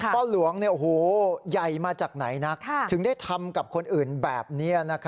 พ่อหลวงใหญ่มาจากไหนนักถึงได้ทำกับคนอื่นแบบนี้